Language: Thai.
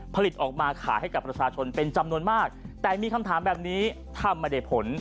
ผลิตออกมาขายให้กับประชาชนเป็นจำนวนมากแต่มีคำถามแบบนี้ทำไม่ได้ผล